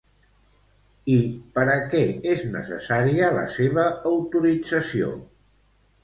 I per a què és necessària la seva autorització?